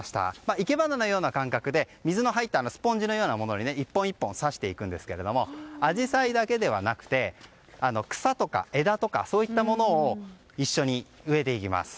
生け花のような感覚で水の入ったスポンジのようなものに１本１本挿していくんですがアジサイだけではなくて草とか枝とかそういったものを一緒に植えていきます。